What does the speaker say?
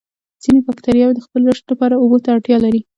ځینې باکتریاوې د خپل رشد لپاره اوبو ته اړتیا لري.